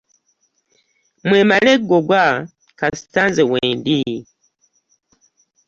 Mwemale eggoga kasita nze wendi.